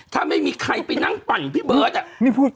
ถ้าไม่มีใครไปนั่งปั่นพี่เบิร์ต